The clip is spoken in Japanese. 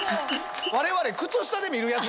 我々靴下で見るやつ。